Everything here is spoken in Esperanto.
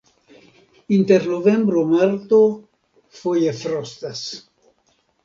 Inter novembro-marto foje frostas.